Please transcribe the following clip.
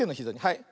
はい。